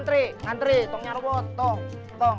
jangan jangan jangan